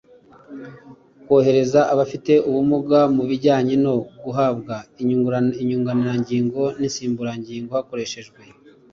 Korohereza abafite ubumuga mu bijyanye no guhabwa inyunganirangingo n insimburangingo hakoreshejwe